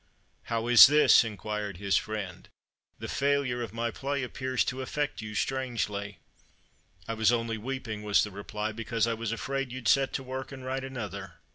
"How is this?" inquired his friend. "The failure of my play appears to affect you strangely." "I was only weeping," was the reply, "because I was afraid you'd set to work, and write another."